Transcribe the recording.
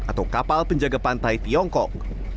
atau kapal penjaga pantai tiongkok